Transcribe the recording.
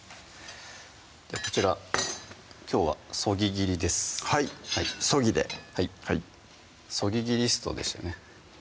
こちらきょうはそぎ切りですはいそぎではいそぎ切りストでしたよね